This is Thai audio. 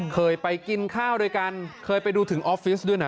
เคยไปกินข้าวด้วยกันเคยไปดูถึงออฟฟิศด้วยนะ